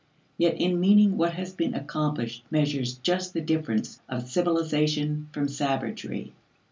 Yet in meaning what has been accomplished measures just the difference of civilization from savagery.